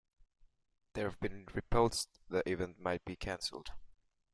There have been reports the event might be canceled.